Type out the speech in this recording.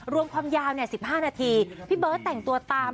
รวมความยาวเนี่ยสิบห้านาทีพี่เบิร์ตแต่งตัวตาม